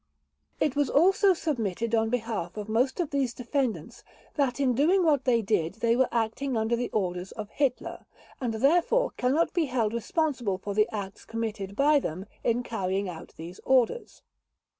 It was also submitted on behalf of most of these defendants that in doing what they did they were acting under the orders of Hitler, and therefore cannot be held responsible for the acts committed by them in carrying out these orders.